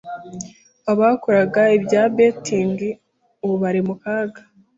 Abakoraga ibya betting ubu bari mu kaga